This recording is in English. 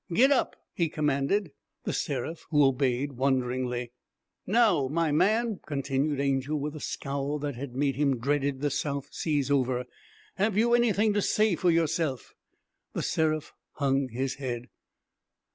'Get up!' he commanded The Seraph, who obeyed wonderingly. 'Now, my man,' continued Angel, with the scowl that had made him dreaded the South Seas over, 'have you anything to say for yourself?' The Seraph hung his head.